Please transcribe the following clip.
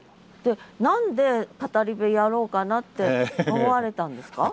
何で語り部やろうかなって思われたんですか？